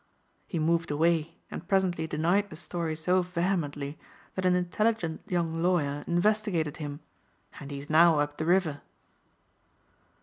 He moved away and presently denied the story so vehemently that an intelligent young lawyer investigated him and he is now up the river."